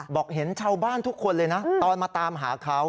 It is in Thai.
เห็นชาวบ้านทุกคนเลยนะตอนมาตามหาเขา